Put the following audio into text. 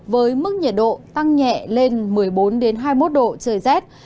với mức nhiệt độ tăng nhẹ lên một mươi bốn hai mươi một độ trời rét